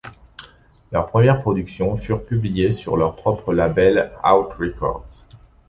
Leurs premières productions furent publiées sur leur propre label Out Records.